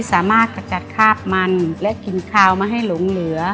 ขจัดคาบมันและกลิ่นคาวมาให้หลงเหลือ